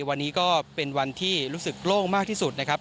วันนี้ก็เป็นวันที่รู้สึกโล่งมากที่สุดนะครับ